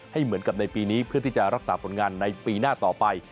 เหมือนกับในปีนี้เพื่อที่จะรักษาผลงานในปีหน้าต่อไป